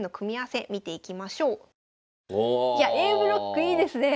さあ続いてＡブロックいいですねえ！